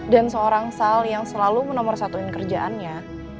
dan seorang sal yang selalu menomorsatuin kerjaannya